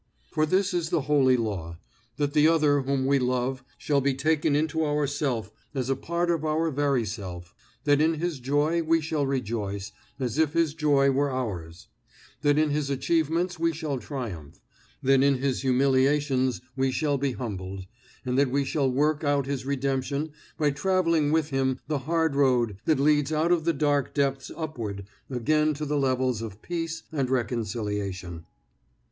For this is the holy law: that the other whom we love shall be taken into our self as a part of our very self, that in his joy we shall rejoice as if his joy were ours, that in his achievements we shall triumph, that in his humiliations we shall be humbled, and that we shall work out his redemption by traveling with him the hard road that leads out of the dark depths upward again to the levels of peace and reconciliation.